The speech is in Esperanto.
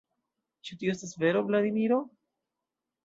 Ĉu tio estas vero, Vladimiro?